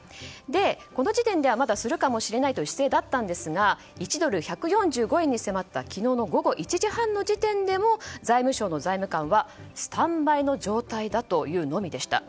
この時点ではまだするかもしれないという姿勢でしたが１ドル＝１４５円に迫った昨日の午後１時半の時点でも財務省の財務官はスタンバイの状態だと言うのみでした。